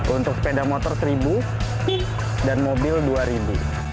untuk sepeda motor rp satu dan mobil rp dua